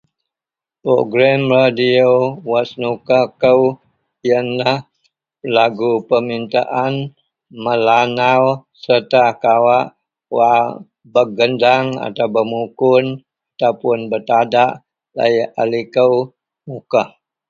Program radeyu wak senuka kou iyenlah lagu permintaan Melanau serta kawak wak bergendang atau bermukun atau puon bertandak laei a liko Mukah.